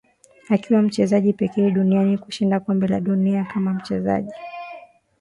akiwa mchezaji pekee duniani kushinda kombe la dunia kama mchezaji